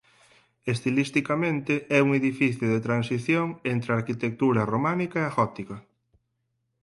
Estilisticamente é un edificio de transición entre a arquitectura románica e gótica.